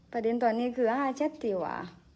ประเด็นตอนนี้คือหาแชทสิวะ